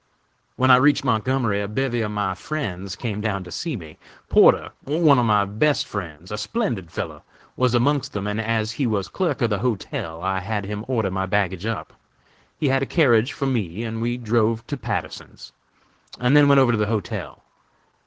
"When I reached Montgomery a bevy of my friends came down to see me. Porter, one of my best friends a splendid fellow was amongst them, and as he was clerk of the hotel I had him order my baggage up. He had a carriage for me and we drove to Patterson's, and then went over to the hotel.